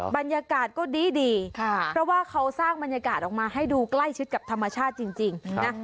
บรรยากาศก็ดีเพราะว่าเขาสร้างบรรยากาศออกมาให้ดูใกล้ชิดกับธรรมชาติจริงนะ